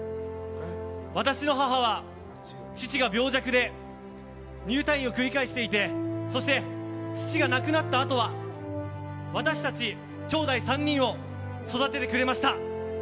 私の母は、父が病弱で入退院を繰り返していてそして、父が亡くなったあとは私たちきょうだい３人を育ててくれました。